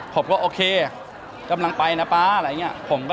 ผมก็โอเคกำลังไปนะป๊าอะไรอย่างนี้